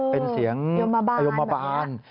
เป็นเสียงปยมบาล